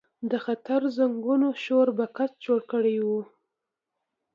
د خطر زنګونو شور بګت جوړ کړی و.